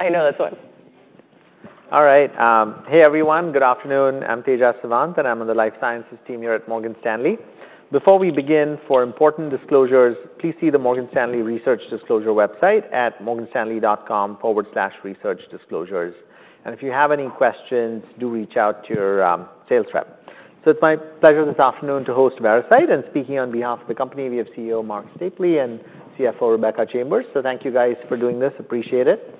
Hey, everyone. Good afternoon. I'm Tejas Savant, and I'm on the life sciences team here at Morgan Stanley. Before we begin, for important disclosures, please see the Morgan Stanley Research Disclosure website at morganstanley.com/researchdisclosures, and if you have any questions, do reach out to your sales rep, so it's my pleasure this afternoon to host Veracyte, and speaking on behalf of the company, we have CEO Marc Stapley and CFO Rebecca Chambers, so thank you, guys, for doing this. Appreciate it.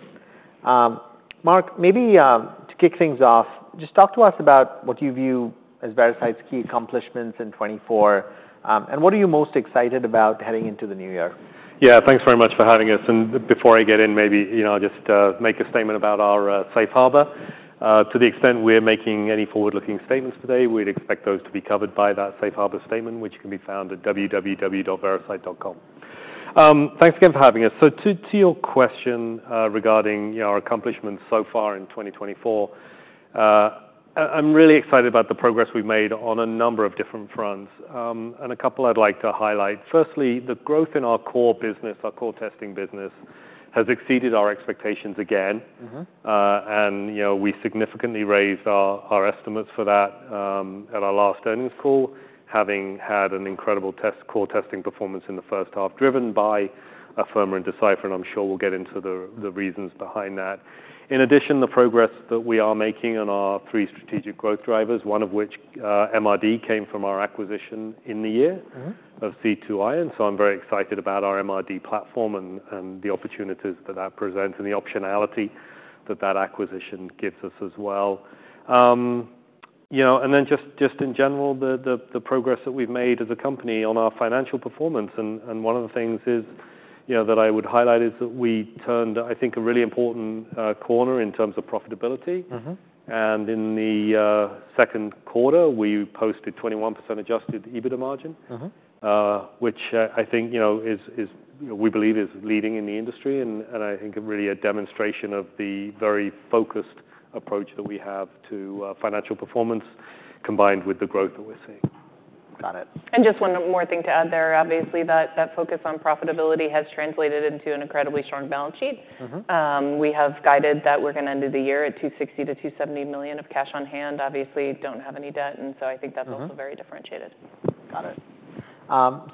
Marc, maybe to kick things off, just talk to us about what you view as Veracyte's key accomplishments in 2024, and what are you most excited about heading into the new year? Yeah, thanks very much for having us, and before I get in, maybe, you know, just make a statement about our Safe Harbor. To the extent we're making any forward-looking statements today, we'd expect those to be covered by that Safe Harbor statement, which can be found at www.veracyte.com. Thanks again for having us. So to your question, regarding, you know, our accomplishments so far in 2024, I'm really excited about the progress we've made on a number of different fronts, and a couple I'd like to highlight. Firstly, the growth in our core business, our core testing business, has exceeded our expectations again. Mm-hmm. And, you know, we significantly raised our estimates for that at our last earnings call, having had an incredible core testing performance in the first half, driven by Afirma and Decipher, and I'm sure we'll get into the reasons behind that. In addition, the progress that we are making on our three strategic growth drivers, one of which, MRD, came from our acquisition in the year of C2i. And so I'm very excited about our MRD platform and the opportunities that that presents and the optionality that that acquisition gives us as well. You know, and then just in general, the progress that we've made as a company on our financial performance, and one of the things is, you know, that I would highlight, is that we turned, I think, a really important corner in terms of profitability. Mm-hmm. In the second quarter, we posted 21% adjusted EBITDA margin. Which, I think, you know, we believe, is leading in the industry, and I think really a demonstration of the very focused approach that we have to financial performance, combined with the growth that we're seeing. Got it. And just one more thing to add there. Obviously, that focus on profitability has translated into an incredibly strong balance sheet. Mm-hmm. We have guided that we're gonna end the year at $260 million to $270 million of cash on hand. Obviously, don't have any debt, and so I think that's also very differentiated. Got it,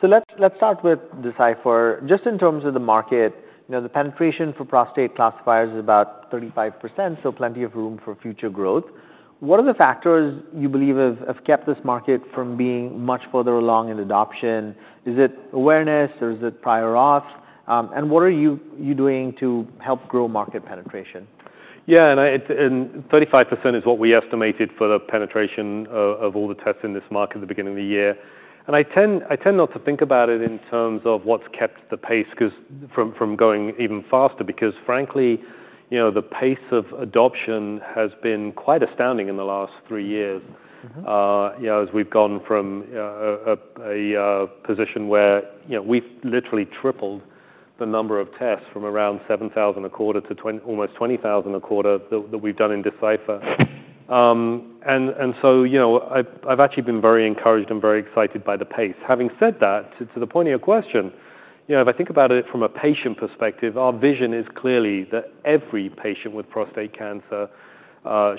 so let's start with Decipher. Just in terms of the market, you know, the penetration for prostate classifiers is about 35%, so plenty of room for future growth. What are the factors you believe have kept this market from being much further along in adoption? Is it awareness, or is it prior auth? And what are you doing to help grow market penetration? Yeah, and 35% is what we estimated for the penetration of all the tests in this market at the beginning of the year. And I tend not to think about it in terms of what's kept the pace from going even faster because, frankly, you know, the pace of adoption has been quite astounding in the last three years. Mm-hmm. You know, as we've gone from a position where, you know, we've literally tripled the number of tests from around seven thousand a quarter to almost twenty thousand a quarter that we've done in Decipher. And so, you know, I've actually been very encouraged and very excited by the pace. Having said that, to the point of your question, you know, if I think about it from a patient perspective, our vision is clearly that every patient with prostate cancer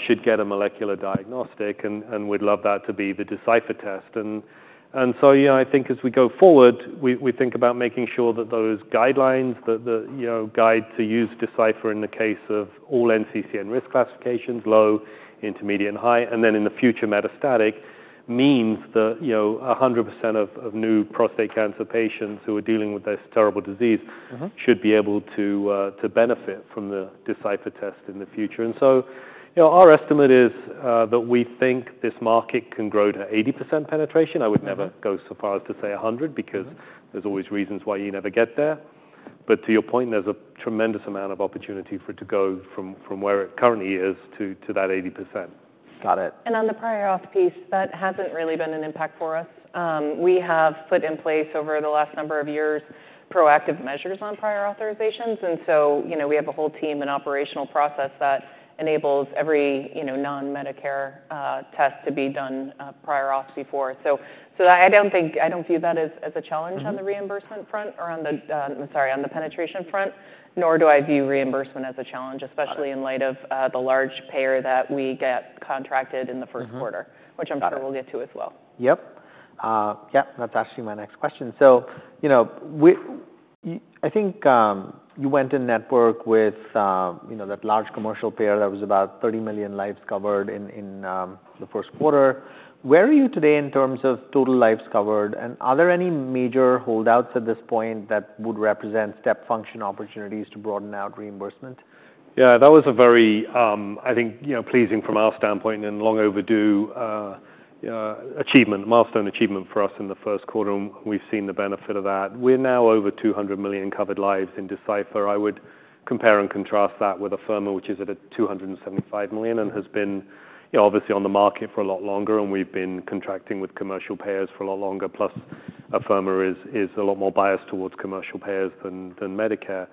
should get a molecular diagnostic, and we'd love that to be the Decipher test. And so, you know, I think as we go forward, we think about making sure that those guidelines, the, you know, guide to use Decipher in the case of all NCCN risk classifications, low, intermediate, and high, and then in the future, metastatic, means that, you know, 100% of new prostate cancer patients who are dealing with this terrible disease should be able to to benefit from the Decipher test in the future. And so, you know, our estimate is, that we think this market can grow to 80% penetration. Mm-hmm. I would never go so far as to say a hundred, because there's always reasons why you never get there. But to your point, there's a tremendous amount of opportunity for it to go from where it currently is to that 80%. Got it. And on the prior auth piece, that hasn't really been an impact for us. We have put in place, over the last number of years, proactive measures on prior authorizations, and so, you know, we have a whole team and operational process that enables every, you know, non-Medicare test to be done prior auth before. So, I don't think... I don't view that as a challenge-Mm-hmm... on the reimbursement front or on the penetration front, nor do I view reimbursement as a challenge- Got it. -especially in light of, the large payer that we get contracted in the first quarter- Mm-hmm, got it. .-which I'm sure we'll get to as well. Yep. Yeah, that's actually my next question. So, you know, I think you went in network with, you know, that large commercial payer that was about thirty million lives covered in the first quarter. Where are you today in terms of total lives covered, and are there any major holdouts at this point that would represent step function opportunities to broaden out reimbursement? Yeah, that was a very, I think, you know, pleasing from our standpoint and long overdue milestone achievement for us in the first quarter, and we've seen the benefit of that. We're now over two hundred million covered lives in Decipher. I would compare and contrast that with Afirma, which is at a 275 million and has been, you know, obviously on the market for a lot longer, and we've been contracting with commercial payers for a lot longer. Plus Afirma is a lot more biased towards commercial payers than Medicare.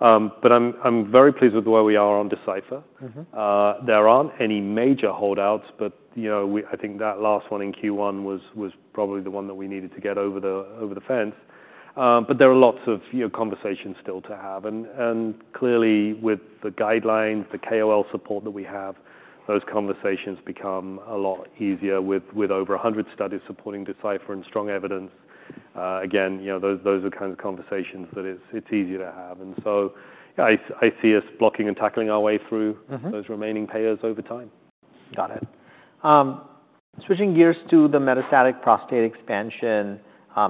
But I'm very pleased with the way we are on Decipher. Mm-hmm. There aren't any major holdouts, but, you know, I think that last one in Q1 was probably the one that we needed to get over the fence. But there are lots of, you know, conversations still to have. And clearly, with the guidelines, the KOL support that we have, those conversations become a lot easier with over a hundred studies supporting Decipher and strong evidence. Again, you know, those are the kinds of conversations that it's easier to have. And so, yeah, I see us blocking and tackling our way through those remaining payers over time. Got it. Switching gears to the metastatic prostate expansion,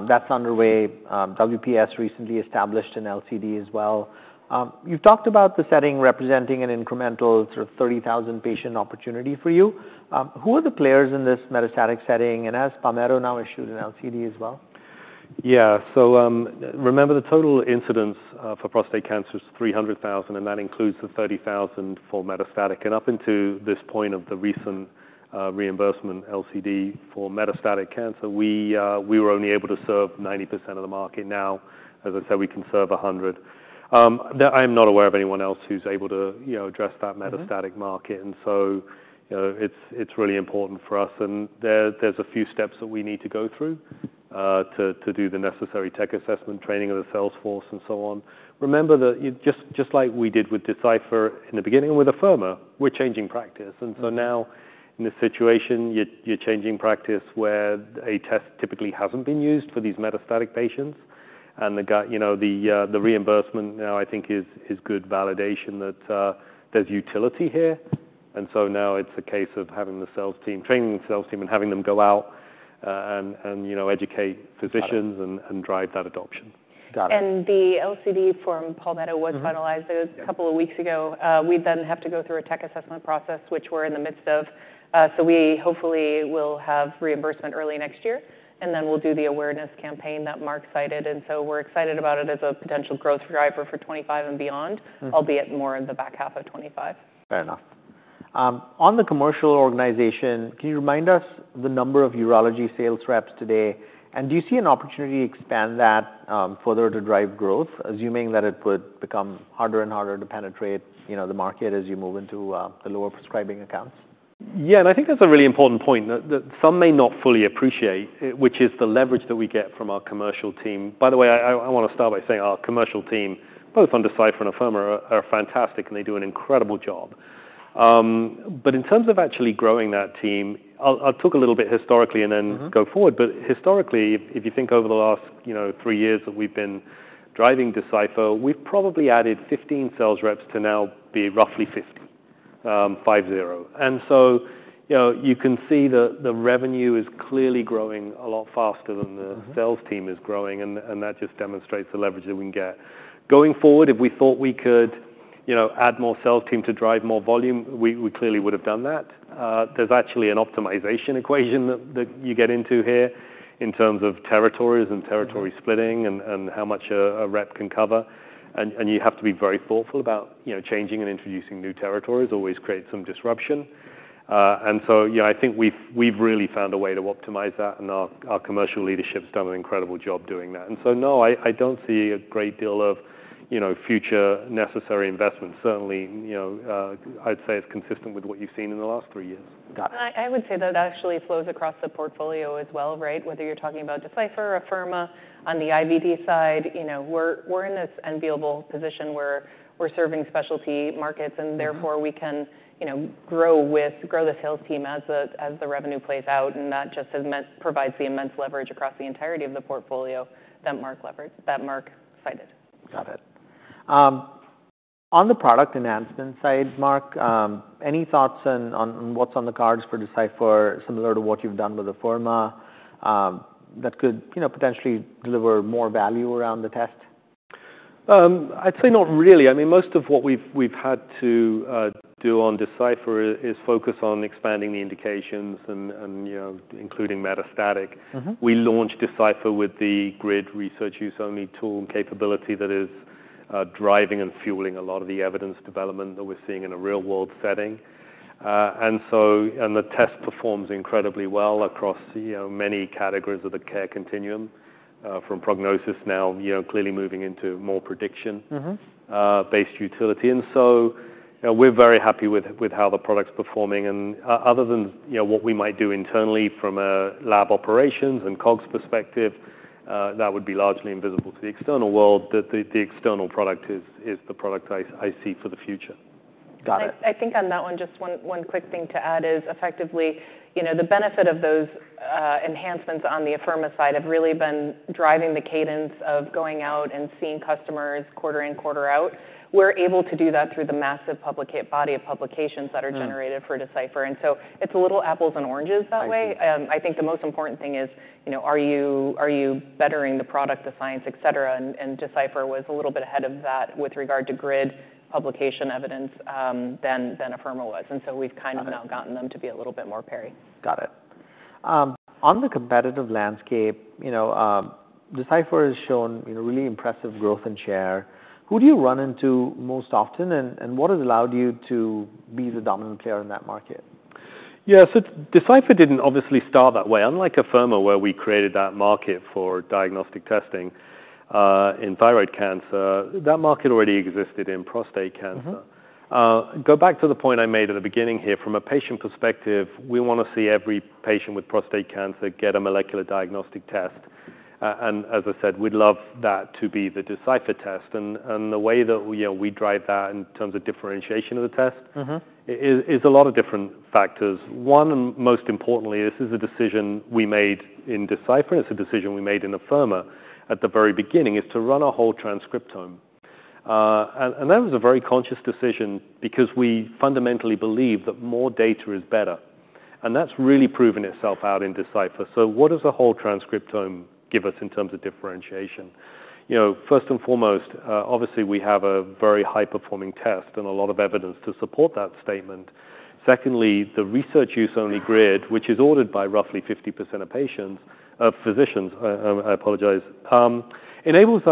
that's underway. WPS recently established an LCD as well. You've talked about the setting representing an incremental sort of 30,000-patient opportunity for you. Who are the players in this metastatic setting, and has Palmetto now issued an LCD as well? Yeah. So, remember, the total incidence for prostate cancer is 300,000, and that includes the 30,000 for metastatic. And up until this point of the recent reimbursement LCD for metastatic cancer, we were only able to serve 90% of the market. Now, as I said, we can serve 100%. I'm not aware of anyone else who's able to, you know, address that metastatic market. Mm-hmm. And so, you know, it's really important for us, and there's a few steps that we need to go through to do the necessary tech assessment, training of the sales force, and so on. Remember that just like we did with Decipher in the beginning and with Afirma, we're changing practice. Mm-hmm. And so now, in this situation, you're changing practice where a test typically hasn't been used for these metastatic patients. And you know, the reimbursement now, I think, is good validation that there's utility here. And so now it's a case of training the sales team and having them go out, and you know, educate physicians- Got it. - and drive that adoption. Got it. The LCD from Palmetto was finalized a couple of weeks ago. We then have to go through a tech assessment process, which we're in the midst of, so we hopefully will have reimbursement early next year, and then we'll do the awareness campaign that Marc cited, and so we're excited about it as a potential growth driver for twenty-five and beyond albeit more in the back half of twenty-five. Fair enough. On the commercial organization, can you remind us the number of urology sales reps today? And do you see an opportunity to expand that further to drive growth, assuming that it would become harder and harder to penetrate, you know, the market as you move into the lower prescribing accounts? Yeah, and I think that's a really important point that some may not fully appreciate, which is the leverage that we get from our commercial team. By the way, I wanna start by saying our commercial team, both on Decipher and Afirma, are fantastic, and they do an incredible job. But in terms of actually growing that team, I'll talk a little bit historically, and then-Mm-hmm... go forward. But historically, if you think over the last, you know, three years that we've been driving Decipher, we've probably added 15 sales reps to now be roughly 50. And so, you know, you can see the revenue is clearly growing a lot faster than the sales team is growing, and that just demonstrates the leverage that we can get. Going forward, if we thought we could, you know, add more sales team to drive more volume, we clearly would have done that. There's actually an optimization equation that you get into here in terms of territories and territories splitting and how much a rep can cover. And you have to be very thoughtful about, you know, changing and introducing new territories, always create some disruption. And so, you know, I think we've really found a way to optimize that, and our commercial leadership has done an incredible job doing that. And so, no, I don't see a great deal of, you know, future necessary investments. Certainly, you know, I'd say it's consistent with what you've seen in the last three years. Got it. I would say that actually flows across the portfolio as well, right? Whether you're talking about Decipher or Afirma. On the IVD side, you know, we're in this enviable position where we're serving specialty markets and therefore, we can, you know, grow the sales team as the, as the revenue plays out, and that just provides the immense leverage across the entirety of the portfolio that Marc cited. Got it. On the product enhancement side, Marc, any thoughts on what's on the cards for Decipher, similar to what you've done with Afirma, that could, you know, potentially deliver more value around the test? I'd say not really. I mean, most of what we've had to do on Decipher is focus on expanding the indications and, you know, including metastatic. Mm-hmm. We launched Decipher with the GRID research use-only tool and capability that is driving and fueling a lot of the evidence development that we're seeing in a real-world setting, and the test performs incredibly well across, you know, many categories of the care continuum, from prognosis now, you know, clearly moving into more prediction based utility. And so, you know, we're very happy with how the product's performing. And other than, you know, what we might do internally from a lab operations and COGS perspective, that would be largely invisible to the external world, that the external product is the product I see for the future. Got it. I think on that one, just one quick thing to add is, effectively, you know, the benefit of those enhancements on the Afirma side have really been driving the cadence of going out and seeing customers quarter in, quarter out. We're able to do that through the massive body of publications that are generated for Decipher, and so it's a little apples and oranges that way. I see. I think the most important thing is, you know, are you bettering the product, the science, et cetera? And Decipher was a little bit ahead of that with regard to GRID publication evidence, than Afirma was. Got it. And so we've kind of now gotten them to be a little bit more parity. Got it. On the competitive landscape, you know, Decipher has shown, you know, really impressive growth and share. Who do you run into most often, and what has allowed you to be the dominant player in that market? Yeah, so Decipher didn't obviously start that way. Unlike Afirma, where we created that market for diagnostic testing, in thyroid cancer, that market already existed in prostate cancer. Mm-hmm. Go back to the point I made at the beginning here. From a patient perspective, we want to see every patient with prostate cancer get a molecular diagnostic test. And as I said, we'd love that to be the Decipher test. And the way that, you know, we drive that in terms of differentiation of the test is a lot of different factors. One, and most importantly, this is a decision we made in Decipher, it's a decision we made in Afirma at the very beginning, is to run a whole transcriptome. And that was a very conscious decision because we fundamentally believe that more data is better, and that's really proven itself out in Decipher. So what does a whole transcriptome give us in terms of differentiation? You know, first and foremost, obviously, we have a very high-performing test and a lot of evidence to support that statement. Secondly, the research use-only GRID, which is ordered by roughly 50% of patients, of physicians, enables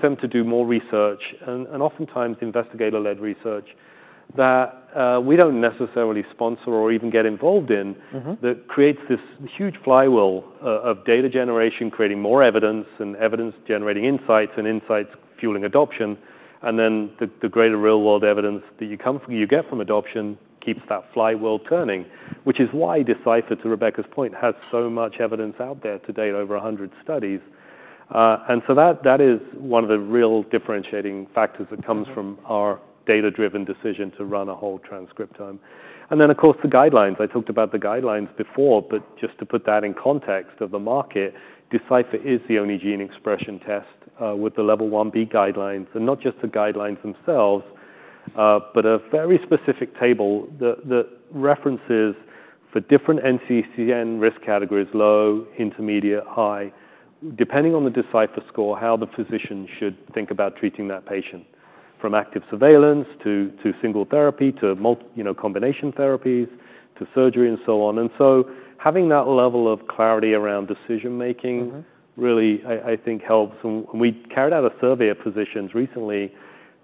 them to do more research and oftentimes investigator-led research that we don't necessarily sponsor or even get involved in that creates this huge flywheel of data generation, creating more evidence, and evidence generating insights, and insights fueling adoption. And then the greater real-world evidence that you get from adoption keeps that flywheel turning. Which is why Decipher, to Rebecca's point, has so much evidence out there to date, over a hundred studies. And so that is one of the real differentiating factors that comes from our data-driven decision to run a whole transcriptome. And then, of course, the guidelines. I talked about the guidelines before, but just to put that in context of the market, Decipher is the only gene expression test with the Level 1B guidelines. And not just the guidelines themselves, but a very specific table that references the different NCCN risk categories: low, intermediate, high. Depending on the Decipher score, how the physician should think about treating that patient, from active surveillance to single therapy to, you know, combination therapies to surgery, and so on. And so having that level of clarity around decision-making really, I think, helps. And we carried out a survey of physicians recently,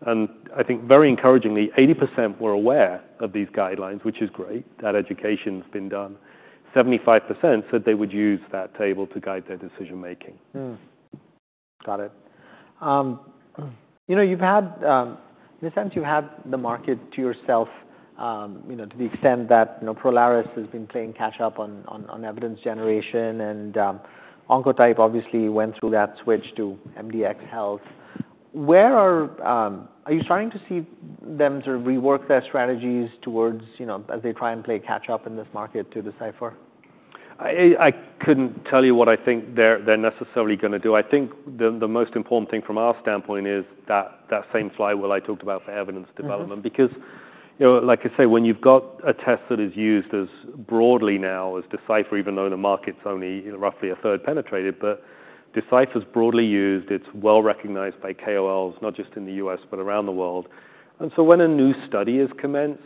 and I think very encouragingly, 80% were aware of these guidelines, which is great. That education's been done. 75% said they would use that table to guide their decision making. Mm. Got it. You know, you've had, in a sense, you've had the market to yourself, you know, to the extent that, you know, Prolaris has been playing catch up on evidence generation, and, Oncotype obviously went through that switch to MDxHealth. Are you starting to see them sort of rework their strategies toward, you know, as they try and play catch up in this market to Decipher? I couldn't tell you what I think they're necessarily going to do. I think the most important thing from our standpoint is that same flywheel I talked about for evidence development. Mm-hmm. Because, you know, like I say, when you've got a test that is used as broadly now as Decipher, even though the market's only roughly a third penetrated, but Decipher is broadly used. It's well recognized by KOLs, not just in the U.S., but around the world, and so when a new study is commenced,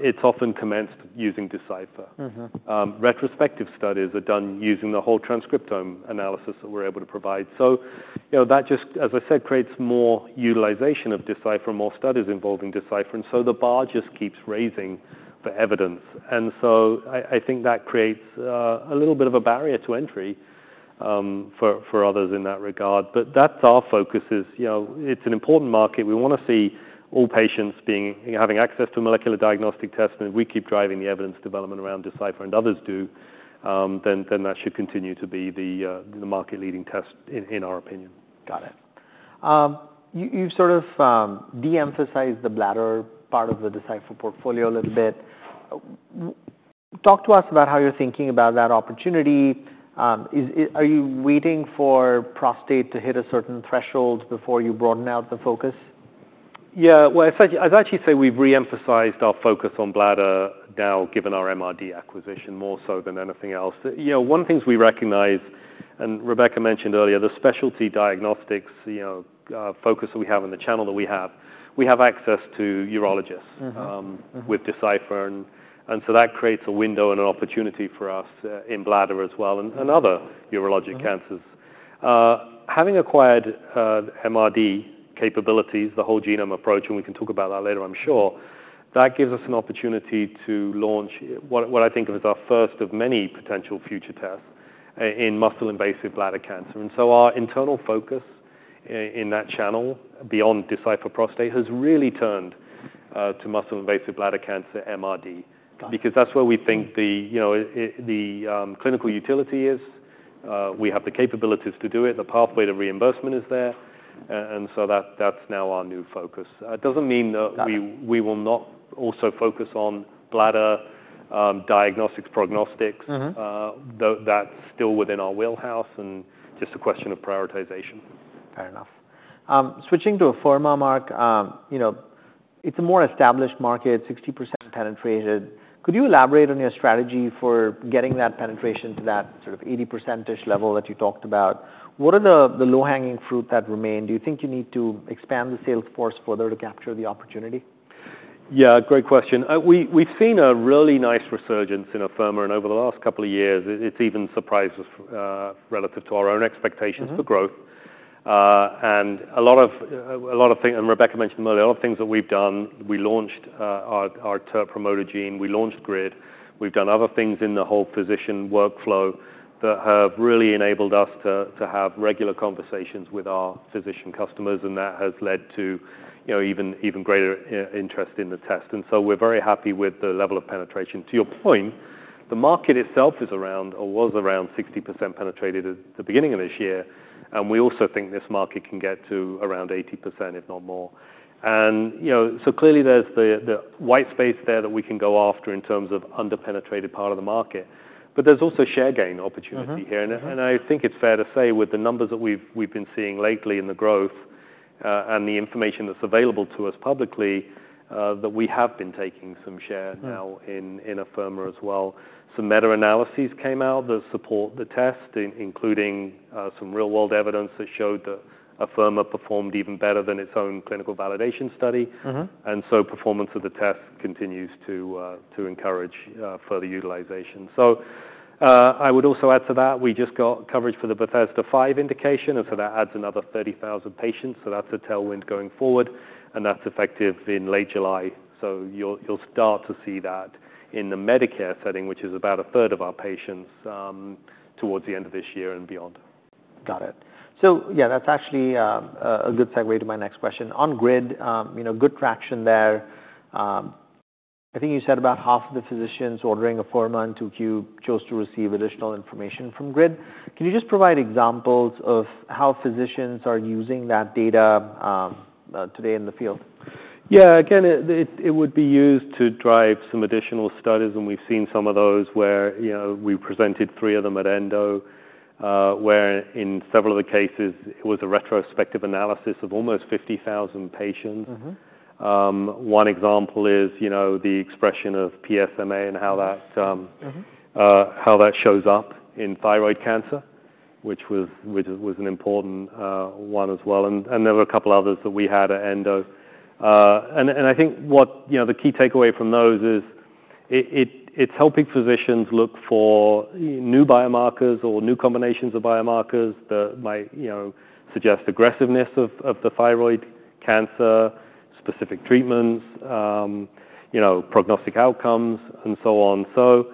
it's often commenced using Decipher. Mm-hmm. Retrospective studies are done using the whole transcriptome analysis that we're able to provide. So, you know, that just, as I said, creates more utilization of Decipher, more studies involving Decipher, and so the bar just keeps raising for evidence. And so I, I think that creates a little bit of a barrier to entry for others in that regard. But that's our focus is, you know, it's an important market. We want to see all patients having access to molecular diagnostic tests, and if we keep driving the evidence development around Decipher and others do, then that should continue to be the market-leading test in our opinion. Got it. You've sort of de-emphasized the bladder part of the Decipher portfolio a little bit. Talk to us about how you're thinking about that opportunity. Are you waiting for prostate to hit a certain threshold before you broaden out the focus? Yeah. Well, I'd actually, I'd actually say we've re-emphasized our focus on bladder now, given our MRD acquisition, more so than anything else. You know, one of the things we recognize, and Rebecca mentioned earlier, the specialty diagnostics, you know, focus that we have and the channel that we have, we have access to urologists with Decipher. And so that creates a window and an opportunity for us in bladder as well and other urologic cancers. Mm-hmm. Having acquired MRD capabilities, the whole genome approach, and we can talk about that later, I'm sure, that gives us an opportunity to launch what I think of as our first of many potential future tests in muscle-invasive bladder cancer. And so our internal focus in that channel, beyond Decipher Prostate, has really turned to muscle-invasive bladder cancer MRD. Got it. Because that's where we think the, you know, clinical utility is. We have the capabilities to do it, the pathway to reimbursement is there, and so that's now our new focus. It doesn't mean that- Got it -we will not also focus on bladder diagnostics, prognostics. Mm-hmm. Though, that's still within our wheelhouse, and just a question of prioritization. Fair enough. Switching to Afirma, Marc, you know, it's a more established market, 60% penetrated. Could you elaborate on your strategy for getting that penetration to that sort of 80% level that you talked about? What are the low-hanging fruit that remain? Do you think you need to expand the sales force further to capture the opportunity? Yeah, great question. We've seen a really nice resurgence in Afirma, and over the last couple of years, it's even surprised us relative to our own expectations. Mm-hmm For growth, and a lot of things, and Rebecca mentioned earlier, a lot of things that we've done. We launched our TERT promoter gene. We launched GRID. We've done other things in the whole physician workflow that have really enabled us to have regular conversations with our physician customers, and that has led to, you know, even greater interest in the test. And so we're very happy with the level of penetration. To your point, the market itself is around or was around 60% penetrated at the beginning of this year, and we also think this market can get to around 80%, if not more. And, you know, so clearly there's the white space there that we can go after in terms of under-penetrated part of the market. But there's also share gain opportunity here. Mm-hmm. I think it's fair to say, with the numbers that we've been seeing lately in the growth, and the information that's available to us publicly, that we have been taking some share now. Mm-hmm. In Afirma as well. Some meta-analyses came out that support the test, including some real-world evidence that showed that Afirma performed even better than its own clinical validation study. Mm-hmm. Performance of the test continues to encourage further utilization. I would also add to that. We just got coverage for the Bethesda V indication, and so that adds another 30,000 patients, so that's a tailwind going forward, and that's effective in late July. You'll start to see that in the Medicare setting, which is about a third of our patients, towards the end of this year and beyond. Got it. So yeah, that's actually a good segue to my next question. On GRID, you know, good traction there. I think you said about half of the physicians ordering Afirma on 2Q chose to receive additional information from GRID. Can you just provide examples of how physicians are using that data today in the field? Yeah, again, it would be used to drive some additional studies, and we've seen some of those where, you know, we presented three of them at ENDO, where in several of the cases, it was a retrospective analysis of almost fifty thousand patients. Mm-hmm. One example is, you know, the expression of PSMA and how t Mm-hmm -how that shows up in thyroid cancer, which was an important one as well, and there were a couple others that we had at ENDO. I think, you know, the key takeaway from those is it's helping physicians look for new biomarkers or new combinations of biomarkers that might, you know, suggest aggressiveness of the thyroid cancer, specific treatments, you know, prognostic outcomes, and so on, so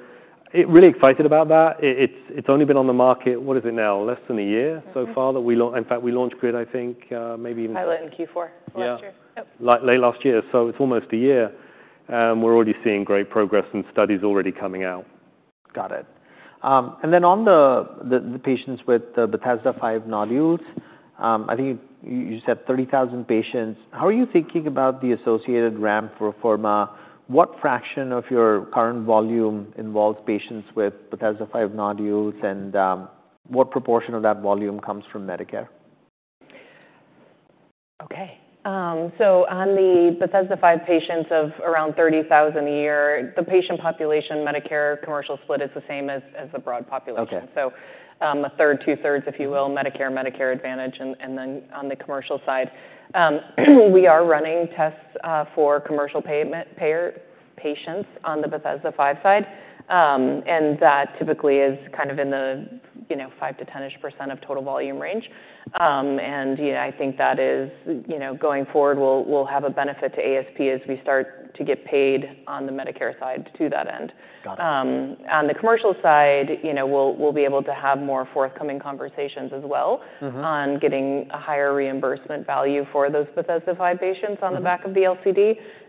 really excited about that. It's only been on the market, what is it now? Less than a year so far- Mm-hmm -that we launched. In fact, we launched GRID, I think, maybe even- Pilot in Q4. Yeah. Last year. Yep. Like, late last year, so it's almost a year, and we're already seeing great progress and studies already coming out. Got it. And then on the patients with the Bethesda V nodules, I think you said thirty thousand patients. How are you thinking about the associated ramp for Afirma? What fraction of your current volume involves patients with Bethesda V nodules, and what proportion of that volume comes from Medicare? Okay. So on the Bethesda V patients of around 30,000 a year, the patient population, Medicare commercial split, is the same as the broad population. Okay. A third, two-thirds, if you will, Medicare, Medicare Advantage, and then on the commercial side. We are running tests for commercial payer patients on the Bethesda V side. And that typically is kind of in the, you know, five to 10%-ish of total volume range. And, you know, I think that is. You know, going forward, we'll have a benefit to ASP as we start to get paid on the Medicare side to that end. Got it. On the commercial side, you know, we'll be able to have more forthcoming conversations as well- Mm-hmm -on getting a higher reimbursement value for those Bethesda V patients- Mm-hmm -on the back of the LCD.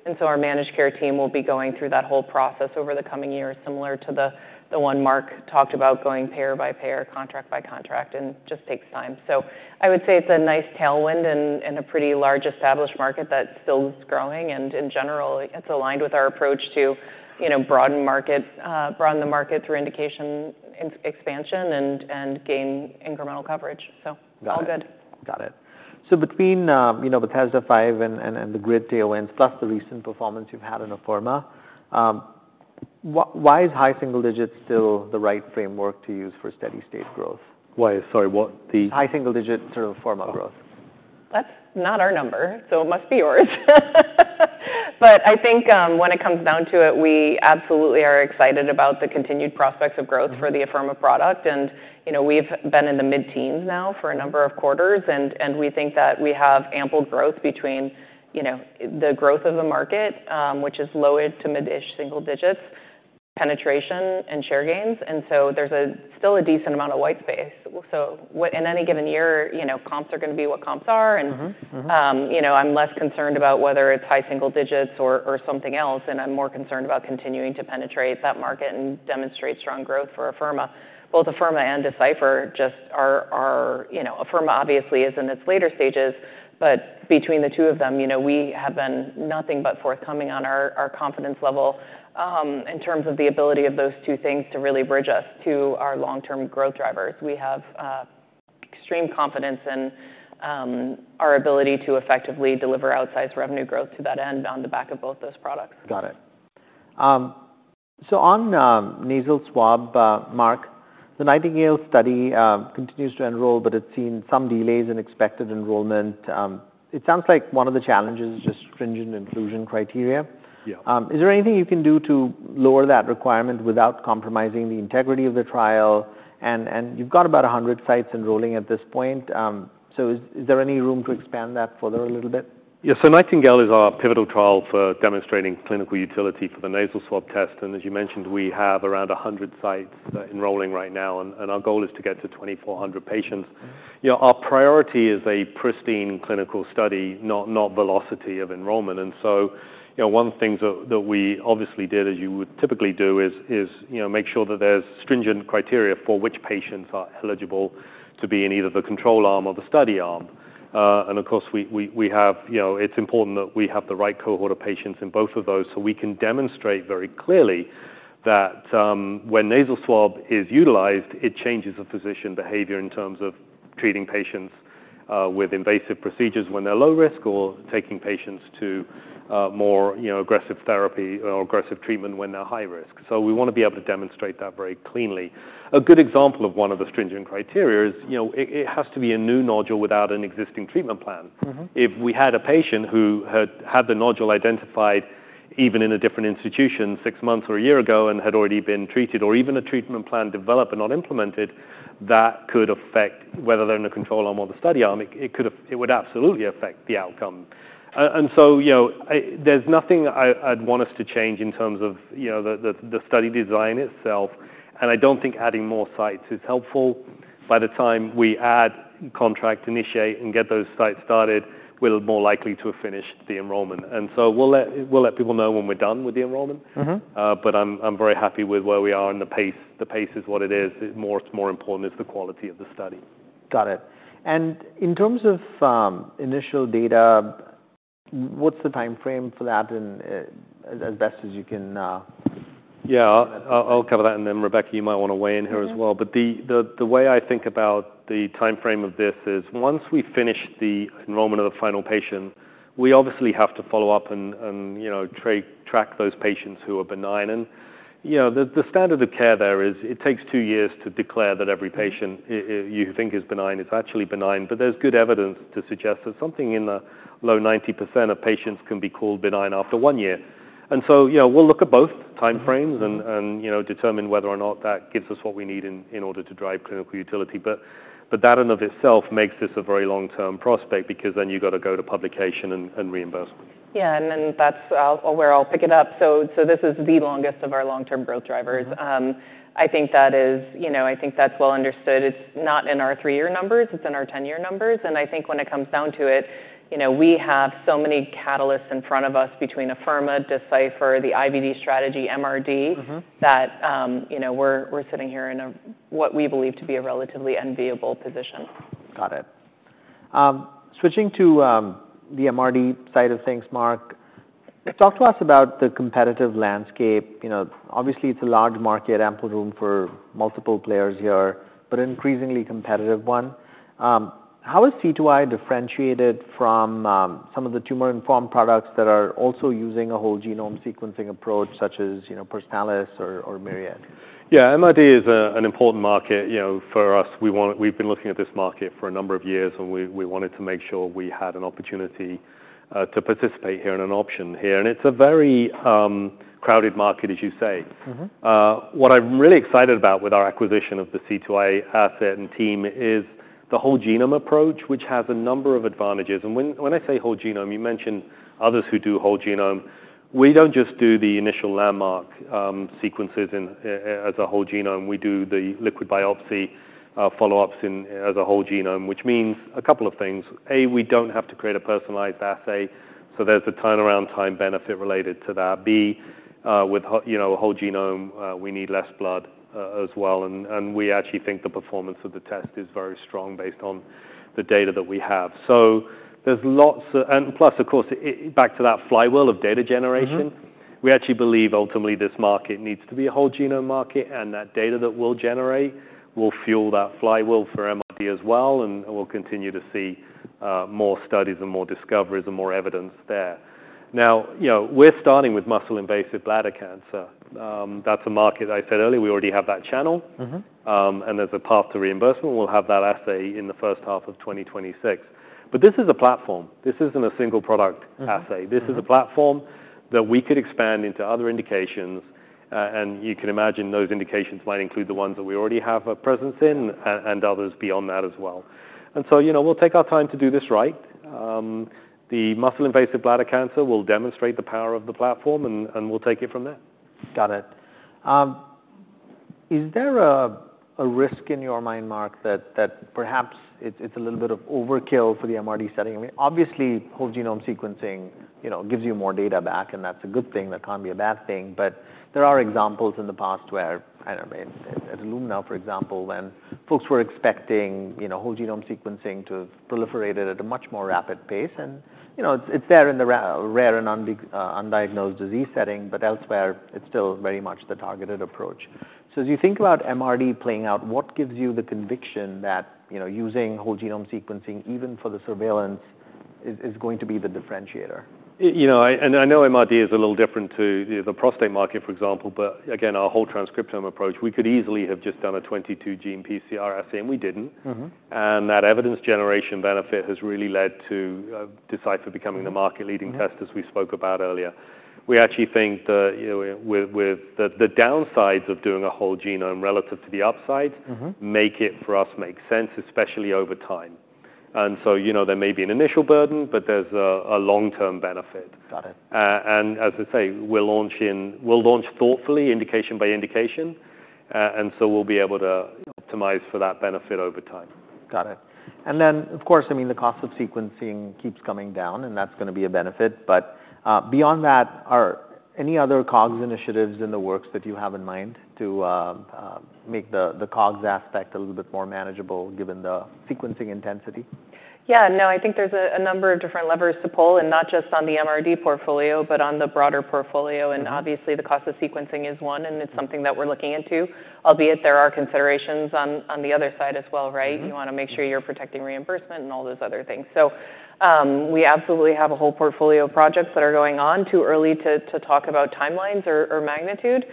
And so our managed care team will be going through that whole process over the coming years, similar to the one Mark talked about, going payer by payer, contract by contract, and just takes time. So I would say it's a nice tailwind and a pretty large established market that still is growing. And in general, it's aligned with our approach to, you know, broaden the market through indication and expansion and gain incremental coverage. So all good. Got it. So between, you know, Bethesda V and the GRID tailwinds, plus the recent performance you've had in Afirma, why is high single digits still the right framework to use for steady state growth? Why, sorry, what the- High single digits sort of Afirma growth. That's not our number, so it must be yours. But I think when it comes down to it, we absolutely are excited about the continued prospects of growth for the Afirma product. And you know, we've been in the mid-teens now for a number of quarters, and we think that we have ample growth between you know, the growth of the market, which is low to mid-ish single digits, penetration and share gains. And so there's still a decent amount of white space. So in any given year, you know, comps are gonna be what comps are. Mm-hmm. Mm-hmm. You know, I'm less concerned about whether it's high single digits or something else, and I'm more concerned about continuing to penetrate that market and demonstrate strong growth for Afirma. Both Afirma and Decipher just are. You know, Afirma, obviously, is in its later stages, but between the two of them, you know, we have been nothing but forthcoming on our confidence level in terms of the ability of those two things to really bridge us to our long-term growth drivers. We have extreme confidence in our ability to effectively deliver outsized revenue growth to that end on the back of both those products. Got it. So on nasal swab, Mark, the Nightingale Study continues to enroll, but it's seen some delays in expected enrollment. It sounds like one of the challenges is just stringent inclusion criteria. Yeah. Is there anything you can do to lower that requirement without compromising the integrity of the trial? And you've got about a hundred sites enrolling at this point. So, is there any room to expand that further a little bit? Yeah. So Nightingale is our pivotal trial for demonstrating clinical utility for the nasal swab test, and as you mentioned, we have around 100 sites enrolling right now, and our goal is to get to 2,400 patients. You know, our priority is a pristine clinical study, not velocity of enrollment. You know, one thing that we obviously did, as you would typically do, is you know, make sure that there's stringent criteria for which patients are eligible to be in either the control arm or the study arm. And of course, we have you know, it's important that we have the right cohort of patients in both of those, so we can demonstrate very clearly that, when nasal swab is utilized, it changes the physician behavior in terms of treating patients with invasive procedures when they're low risk, or taking patients to more you know, aggressive therapy or aggressive treatment when they're high risk. So we wanna be able to demonstrate that very cleanly. A good example of one of the stringent criteria is, you know, it has to be a new nodule without an existing treatment plan. Mm-hmm. If we had a patient who had the nodule identified, even in a different institution, six months or a year ago, and had already been treated or even a treatment plan developed and not implemented, that could affect whether they're in the control arm or the study arm. It would absolutely affect the outcome. And so, you know, there's nothing I'd want us to change in terms of, you know, the study design itself, and I don't think adding more sites is helpful. By the time we add, contract, initiate, and get those sites started, we're more likely to have finished the enrollment. And so we'll let people know when we're done with the enrollment. Mm-hmm. But I'm very happy with where we are and the pace. The pace is what it is. What's more important is the quality of the study. Got it. And in terms of initial data, what's the time frame for that in, as best as you can, Yeah, I'll, I'll cover that, and then, Rebecca, you might wanna weigh in here as well. Mm-hmm. But the way I think about the time frame of this is, once we finish the enrollment of the final patient, we obviously have to follow up and, you know, track those patients who are benign. And, you know, the standard of care there is it takes two years to declare that every patient- Mm-hmm .-you think is benign, is actually benign. But there's good evidence to suggest that something in the low 90% of patients can be called benign after one year. And so, you know, we'll look at both time frames- Mm-hmm -and you know, determine whether or not that gives us what we need in order to drive clinical utility. But that in and of itself makes this a very long-term prospect because then you've got to go to publication and reimbursement. Yeah, and then that's where I'll pick it up. So this is the longest of our long-term growth drivers. Mm-hmm. I think that is. You know, I think that's well understood. It's not in our three-year numbers, it's in our ten-year numbers, and I think when it comes down to it, you know, we have so many catalysts in front of us, between Afirma, Decipher, the IVD strategy, MRD- Mm-hmm -that, you know, we're sitting here in a, what we believe to be a relatively enviable position. Got it. Switching to the MRD side of things, Mark, talk to us about the competitive landscape. You know, obviously, it's a large market, ample room for multiple players here, but an increasingly competitive one. How is C2I differentiated from some of the tumor-informed products that are also using a whole genome sequencing approach, such as, you know, Personalis or, Myriad? Yeah, MRD is an important market, you know, for us. We've been looking at this market for a number of years, and we wanted to make sure we had an opportunity to participate here and an option here, and it's a very crowded market, as you say. Mm-hmm. What I'm really excited about with our acquisition of the C2i asset and team is the whole genome approach, which has a number of advantages. And when I say whole genome, you mentioned others who do whole genome. We don't just do the initial landmark sequences in as a whole genome. We do the liquid biopsy follow-ups in as a whole genome, which means a couple of things A, we don't have to create a personalized assay, so there's a turnaround time benefit related to that B, with you know, a whole genome, we need less blood as well, and we actually think the performance of the test is very strong based on the data that we have. So there's lots of and plus, of course, back to that flywheel of data generation- Mm-hmm -we actually believe ultimately this market needs to be a whole genome market, and that data that we'll generate will fuel that flywheel for MRD as well, and we'll continue to see more studies and more discoveries and more evidence there. Now, you know, we're starting with muscle-invasive bladder cancer. That's a market I said earlier. We already have that channel. Mm-hmm. And there's a path to reimbursement. We'll have that assay in the first half of 2026. But this is a platform. This isn't a single product assay. Mm-hmm. This is a platform that we could expand into other indications, and you can imagine those indications might include the ones that we already have a presence in, and others beyond that as well. And so, you know, we'll take our time to do this right. The muscle-invasive bladder cancer will demonstrate the power of the platform, and we'll take it from there. Got it. Is there a risk in your mind, Mark, that perhaps it's a little bit of overkill for the MRD setting? I mean, obviously, whole genome sequencing, you know, gives you more data back, and that's a good thing. That can't be a bad thing. But there are examples in the past where, I mean, at Illumina, for example, when folks were expecting, you know, whole genome sequencing to have proliferated at a much more rapid pace. And, you know, it's there in the rare and undiagnosed disease setting, but elsewhere, it's still very much the targeted approach. So as you think about MRD playing out, what gives you the conviction that, you know, using whole genome sequencing, even for the surveillance, is going to be the differentiator? You know, and I know MRD is a little different too, you know, the prostate market, for example, but again, our whole transcriptome approach, we could easily have just done a 22-gene PCR assay, and we didn't. Mm-hmm. And that evidence generation benefit has really led to Decipher becoming the market leading test- Mm-hmm -as we spoke about earlier. We actually think that, you know, with the downsides of doing a whole genome relative to the upsides. Mm-hmm Make it for us make sense, especially over time, and so you know, there may be an initial burden, but there's a long-term benefit. Got it. And as I say, we'll launch thoughtfully, indication by indication. And so we'll be able to optimize for that benefit over time. Got it. And then, of course, I mean, the cost of sequencing keeps coming down, and that's gonna be a benefit. But, beyond that, are any other COGS initiatives in the works that you have in mind to make the COGS aspect a little bit more manageable, given the sequencing intensity? Yeah, no, I think there's a number of different levers to pull, and not just on the MRD portfolio, but on the broader portfolio. Mm-hmm. Obviously, the cost of sequencing is one, and it's something that we're looking into. I'll be it, there are considerations on the other side as well, right? Mm-hmm. You wanna make sure you're protecting reimbursement and all those other things. So, we absolutely have a whole portfolio of projects that are going on. Too early to talk about timelines or magnitude,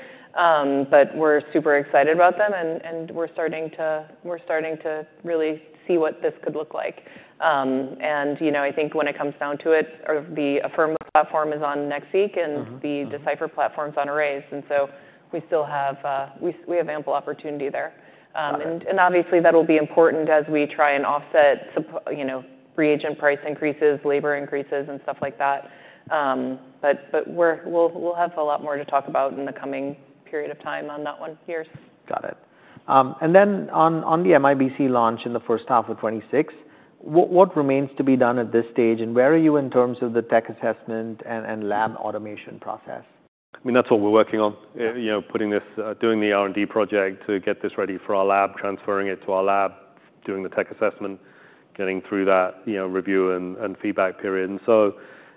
but we're super excited about them, and we're starting to really see what this could look like. And, you know, I think when it comes down to it, the Afirma platform is on next week- Mm-hmm. -and the Decipher platform's on arrays, and so we still have ample opportunity there. Got it. And obviously, that'll be important as we try and offset, you know, reagent price increases, labor increases, and stuff like that. But we'll have a lot more to talk about in the coming period of time on that one here. Got it. Then on the MIBC launch in the first half of 2026, what remains to be done at this stage, and where are you in terms of the tech assessment and lab automation process? I mean, that's what we're working on. Yeah. You know, putting this, doing the R&D project to get this ready for our lab, transferring it to our lab, doing the tech assessment, getting through that, you know, review and feedback period. And so,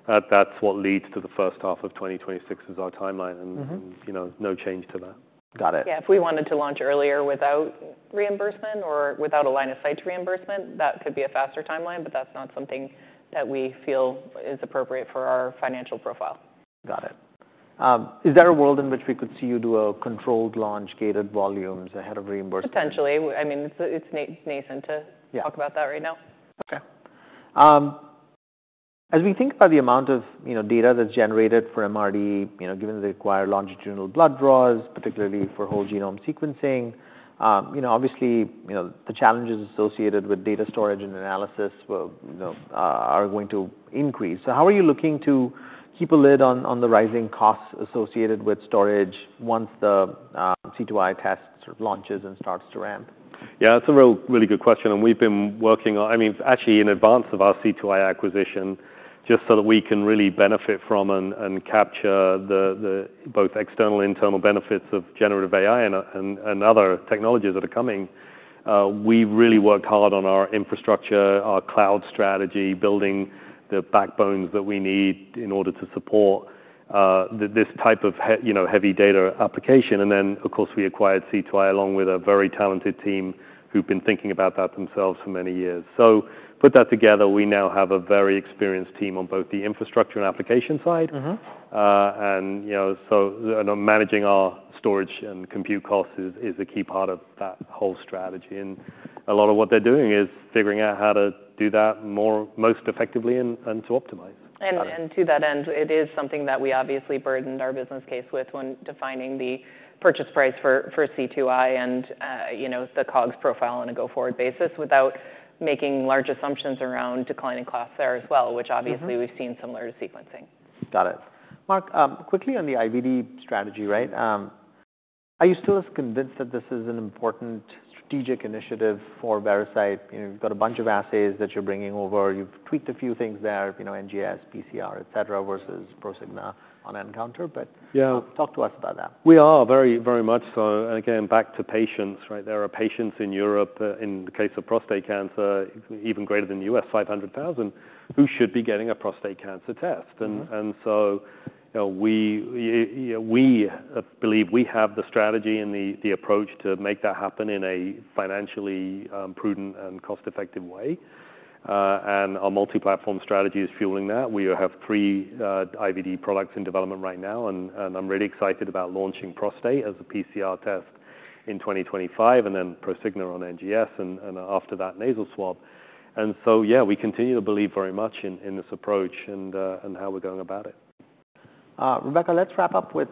that's what leads to the first half of 2026 is our timeline. Mm-hmm. You know, no change to that. Got it. Yeah, if we wanted to launch earlier without reimbursement or without a line of sight to reimbursement, that could be a faster timeline, but that's not something that we feel is appropriate for our financial profile. Got it. Is there a world in which we could see you do a controlled launch, gated volumes ahead of reimbursement? Potentially. I mean, it's nascent to- Yeah. -talk about that right now. Okay. As we think about the amount of, you know, data that's generated for MRD, you know, given the required longitudinal blood draws, particularly for whole genome sequencing, you know, obviously, you know, the challenges associated with data storage and analysis, well, you know, are going to increase. So how are you looking to keep a lid on the rising costs associated with storage once the C2i test sort of launches and starts to ramp? Yeah, that's a real, really good question, and we've been working on. I mean, actually, in advance of our C2i acquisition, just so that we can really benefit from and capture the both external and internal benefits of generative AI and other technologies that are coming. We've really worked hard on our infrastructure, our cloud strategy, building the backbones that we need in order to support this type of you know, heavy data application. And then, of course, we acquired C2i, along with a very talented team who've been thinking about that themselves for many years. So put that together, we now have a very experienced team on both the infrastructure and application side. Mm-hmm. And, you know, so, and managing our storage and compute costs is a key part of that whole strategy, and a lot of what they're doing is figuring out how to do that more most effectively and to optimize. Got it. And to that end, it is something that we obviously burdened our business case with when defining the purchase price for C2i and, you know, the COGS profile on a go-forward basis, without making large assumptions around declining costs there as well. Mm-hmm Which obviously we've seen similar to sequencing. Got it. Mark, quickly on the IVD strategy, right? Are you still as convinced that this is an important strategic initiative for Veracyte? You know, you've got a bunch of assays that you're bringing over. You've tweaked a few things there, you know, NGS, PCR, etc., versus Prosigna, Oncotype, but- Yeah -talk to us about that. We are very, very much so, and again, back to patients, right? There are patients in Europe, in the case of prostate cancer, even greater than the U.S., 500,000, who should be getting a prostate cancer test. Mm-hmm. So you know, we believe we have the strategy and the approach to make that happen in a financially prudent and cost-effective way, and our multi-platform strategy is fueling that. We have three IVD products in development right now, and I'm really excited about launching prostate as a PCR test in 2025, and then Prosigna on NGS, and after that, nasal swab. So yeah, we continue to believe very much in this approach and how we're going about it. Rebecca, let's wrap up with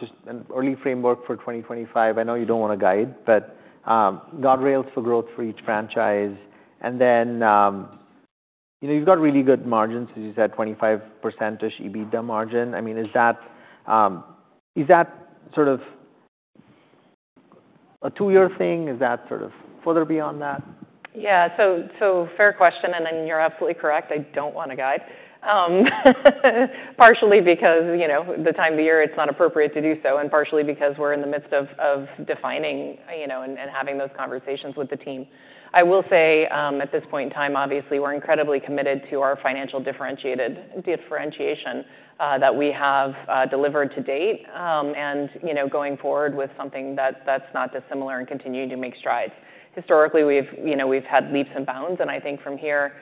just an early framework for twenty twenty-five. I know you don't wanna guide, but guardrails for growth for each franchise, and then you know, you've got really good margins. You said 25% EBITDA margin. I mean, is that sort of a two-year thing? Is that sort of further beyond that? Yeah. So, so fair question, and then you're absolutely correct, I don't want to guide. Partially because, you know, the time of year, it's not appropriate to do so, and partially because we're in the midst of defining, you know, and having those conversations with the team. I will say, at this point in time, obviously, we're incredibly committed to our financial differentiated-differentiation that we have delivered to date, and, you know, going forward with something that's not dissimilar and continuing to make strides. Historically, we've, you know, we've had leaps and bounds, and I think from here,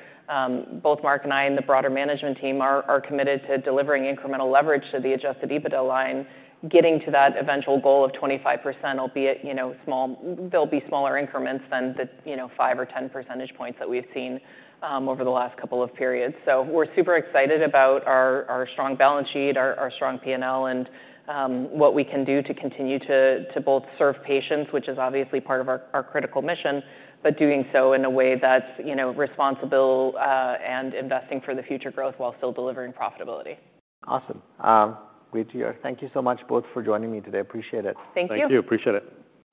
both Mark and I, and the broader management team are committed to delivering incremental leverage to the Adjusted EBITDA line, getting to that eventual goal of 25%, albeit, you know, small, there'll be smaller increments than the, you know, five or 10 percentage points that we've seen over the last couple of periods. So we're super excited about our strong balance sheet, our strong P&L, and what we can do to continue to both serve patients, which is obviously part of our critical mission, but doing so in a way that's, you know, responsible, and investing for the future growth while still delivering profitability. Awesome. Great to hear. Thank you so much, both, for joining me today. Appreciate it. Thank you. Thank you. Appreciate it.